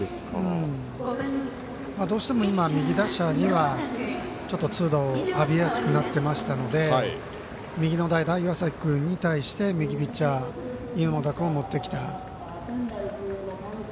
どうしても、右打者には痛打を浴びやすくなってましたので右の代打に対して右ピッチャー猪俣君を持ってきた。